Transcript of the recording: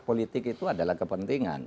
politik itu adalah kepentingan